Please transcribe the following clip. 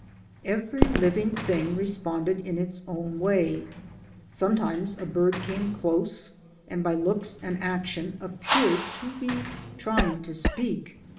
Every living thing responded in its own way. Sometimes a bird came close and by looks and ac tions appeared to be trying to speak.